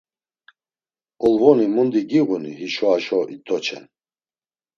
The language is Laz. Olvoni mundi giğuni, hişo haşo it̆oçen.